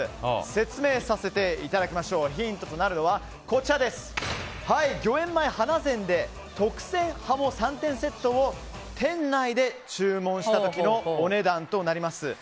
説明させていただきましょうヒントとなるのは御苑前花膳で特選はも３点セットを店内で注文した時のお値段となります。